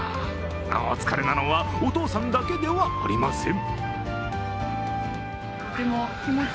お疲れなのは、お父さんだけではありません。